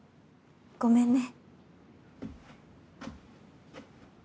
ごめんね。